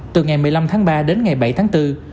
từ ngày một mươi năm tháng ba đến ngày bảy tháng bốn